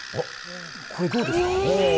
これどうですか。